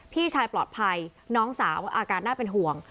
พี่ชายปลอดภัยน้องสาวอาการน่าเป็นห่วง